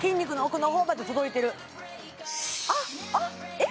えっ？